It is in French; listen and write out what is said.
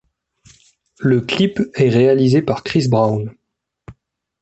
Le clip est réalisé par Chris Brown.